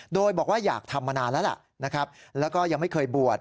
โดยบอกว่าอยากทำมานานแล้วล่ะนะครับแล้วก็ยังไม่เคยบวช